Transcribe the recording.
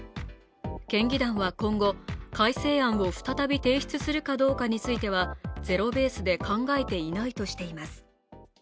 県議団は今後、改正案を再び提出するかどうかについてはゼロベースで考えていないとしています。